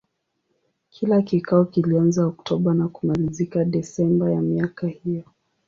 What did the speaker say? Kila kikao kilianza Oktoba na kumalizika Desemba ya miaka hiyo.